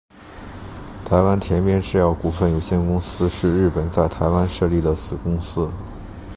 台湾田边制药股份有限公司是日本在台湾设立的子公司。